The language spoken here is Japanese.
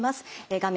画面